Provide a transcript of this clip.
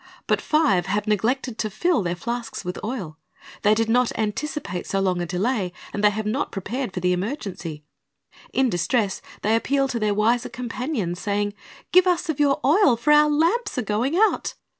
But five have neglected to fill their flasks with oil. They did not anticipate so long a delay, and they have not prepared for the emergency. In distress they appeal to their wiser companions, saying, "Give us of your oil; for our lamps are going out."